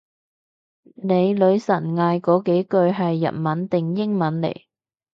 你女神嗌嗰幾句係日文定英文嚟？